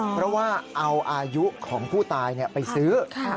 เพราะว่าเอาอายุของผู้ตายไปซื้อ